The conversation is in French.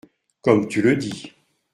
Comme tu le dis.